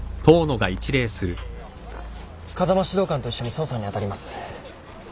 風間指導官と一緒に捜査に当たります。